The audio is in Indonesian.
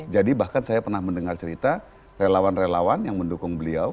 jadi bahkan saya pernah mendengar cerita relawan relawan yang mendukung beliau